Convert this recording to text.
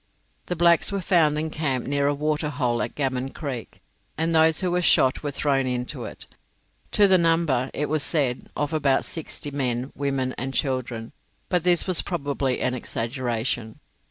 The blacks were found encamped near a waterhole at Gammon Creek, and those who were shot were thrown into it, to the number, it was said, of about sixty, men, women, and children; but this was probably an exaggeration.